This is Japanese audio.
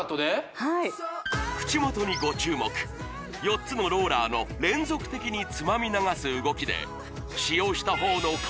はい４つのローラーの連続的につまみ流す動きで使用した方の顔